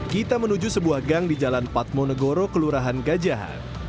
kita menuju sebuah gang di jalan patmonegoro kelurahan gajahan